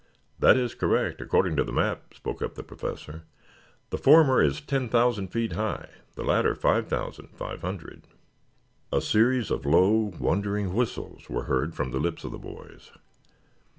"That is correct, according to the map," spoke up the Professor. "The former is ten thousand feet high, the latter five thousand, five hundred." A series of low wondering whistles were heard from the lips of the boys.